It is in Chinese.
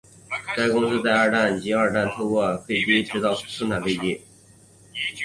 该公司在二战前及二战期间透过汉堡飞机制造公司生产飞机。